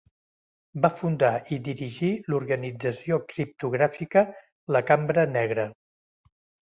Va fundar i dirigir l'organització criptogràfica la Cambra Negra.